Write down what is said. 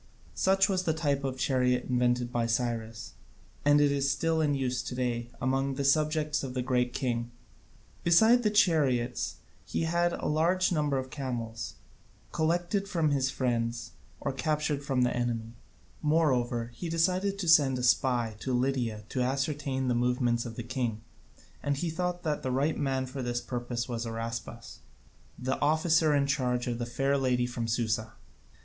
Such was the type of chariot invented by Cyrus, and it is still in use to day among the subjects of the Great King. Beside the chariots he had a large number of camels, collected from his friends or captured from the enemy. Moreover, he decided to send a spy into Lydia to ascertain the movements of the king, and he thought that the right man for this purpose was Araspas, the officer in charge of the fair lady from Susa.